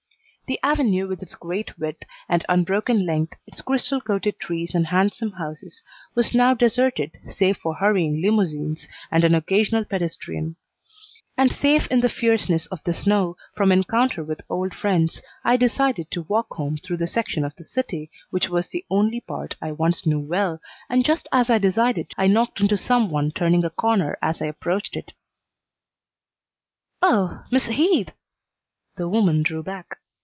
The Avenue with its great width and unbroken length, its crystal coated trees and handsome houses, was now deserted save for hurrying limousines and an occasional pedestrian; and safe in the fierceness of the snow, from encounter with old friends, I decided to walk home through the section of the city which was the only part I once knew well, and just as I decided I knocked into some one turning a corner as I approached it. "Oh, Miss Heath!" The woman drew back.